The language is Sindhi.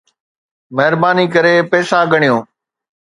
مھرباني ڪري پئسا ڳڻيو